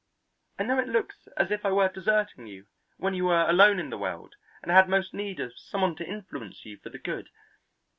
I know it looks as if I were deserting you when you were alone in the world and had most need of some one to influence you for the good.